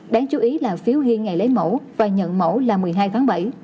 đáng chú ý là phiếu ghiê ngày lấy mẫu và nhận mẫu là một mươi hai tháng bảy